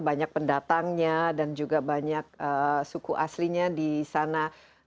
banyak pendatangnya dan juga banyak suku aslinya di sana